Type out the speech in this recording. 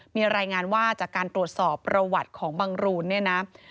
มีรายงานว่าจากการตรวจสอบประวัติของบังรูนเนี่ยนะ